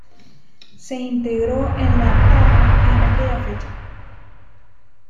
Se integró en La Taha en aquella fecha.